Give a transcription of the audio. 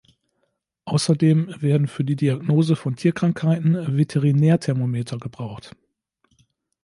Außerdem werden für die Diagnose von Tierkrankheiten Veterinärthermometer gebraucht.